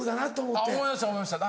思いました